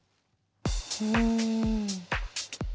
うん。